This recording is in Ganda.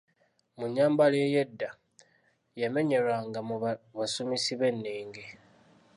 Mu nnyambala ey'edda, yamenyerwanga mu basumisi b'ennenge.